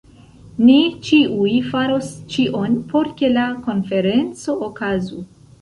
Ni ĉiuj faros ĉion, por ke la konferenco okazu.